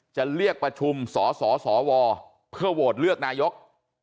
จะเรียกประชุมสสวเพื่อโหวตเลือกนายก